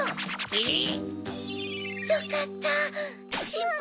えっ？